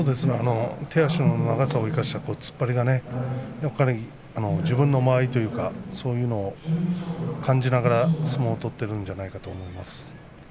手足の長さを生かした突っ張りが自分の間合いというか、そういうのも感じながら相撲を取っているんじゃないかと思います。